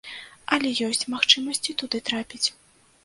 Але ёсць магчымасці туды трапіць.